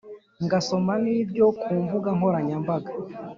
ngasoma n’ibyo ku mbuga nkoranyambaga